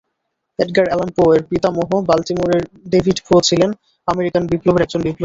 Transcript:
Edgar Allan পো-এর পিতামহ বাল্টিমোরের ডেভিড পো ছিলেন আমেরিকান বিপ্লবের একজন বিপ্লবী।